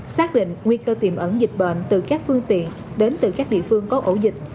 xác định nguy cơ tiềm ẩn dịch bệnh từ các phương tiện đến từ các địa phương có ổ dịch